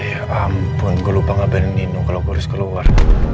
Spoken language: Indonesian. ya ampun gue lupa ngabelin nino kalau gue harus keluar